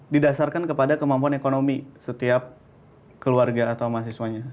didasarkan kepada kemampuan ekonomi setiap keluarga atau mahasiswanya